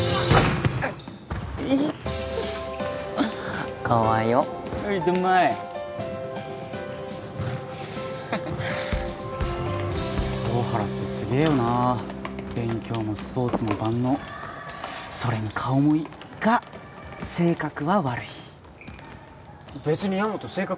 いってえかわよはいドンマイクソ大原ってすげえよな勉強もスポーツも万能それに顔もいいが性格は悪い別にヤマト性格